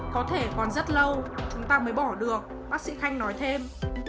có thể còn rất lâu chúng ta mới bỏ được bác sĩ khanh nói thêm